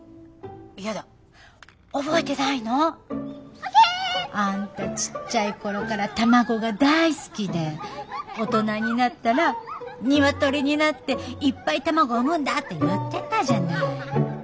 やだ覚えてないの？あんたちっちゃい頃から卵が大好きで大人になったらニワトリになっていっぱい卵を産むんだって言ってたじゃない？